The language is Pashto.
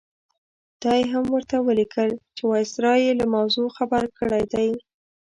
دا یې هم ورته ولیکل چې وایسرا یې له موضوع خبر کړی دی.